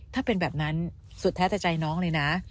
ถ้าเป็นแบบนั้นสุดแท้แต่ใจน้องเลยนะ